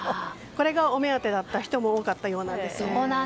これがお目当てだった人も多かったようです。